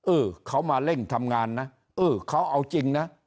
เออเขามาเร่งทำงานนะเออเขาเอาจริงนะ